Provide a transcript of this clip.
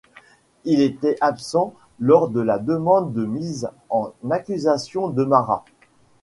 Il était absent lors de la demande de mise en accusation de Marat.